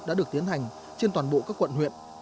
đã được tiến hành trên toàn bộ các quận huyện